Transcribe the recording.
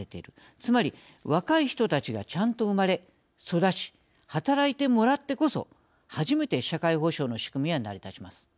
つまり、若い人たちがちゃんと産まれ、育ち働いてもらってこそ初めて社会保障の仕組みは成り立ちます。